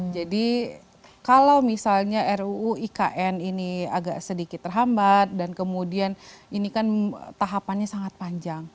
jadi kalau misalnya ruu ikn ini agak sedikit terhambat dan kemudian ini kan tahapannya sangat panjang